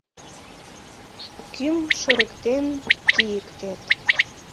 Кӱм шурыктен кийыктет.